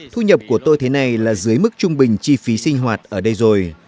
thu nhập của tôi thế này là dưới mức trung bình chi phí sinh hoạt ở đây rồi